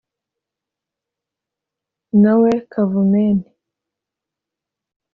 Na we Kavumenti